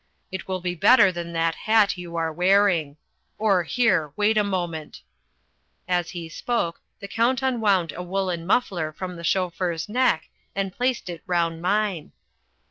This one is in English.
"It will be better than that hat you are wearing or, here, wait a moment " As he spoke, the Count unwound a woollen muffler from the chauffeur's neck, and placed it round mine.